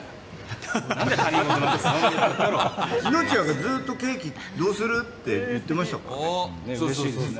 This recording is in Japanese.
イノッチはずっとケーキどうする？って言ってましたもんね。